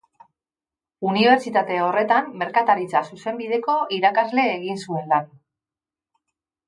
Unibertsitate horretan Merkataritza Zuzenbideko irakasle egin zuen lan.